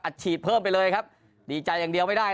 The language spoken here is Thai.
ฉีดเพิ่มไปเลยครับดีใจอย่างเดียวไม่ได้